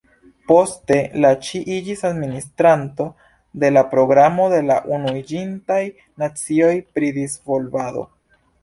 Poste, la ŝi iĝis administranto de la Programo de la Unuiĝintaj Nacioj pri Disvolvado.